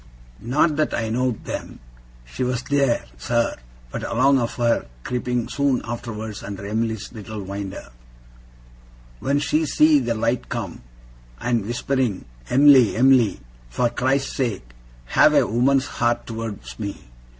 Not that I know'd then, she was theer, sir, but along of her creeping soon arterwards under Em'ly's little winder, when she see the light come, and whispering "Em'ly, Em'ly, for Christ's sake, have a woman's heart towards me.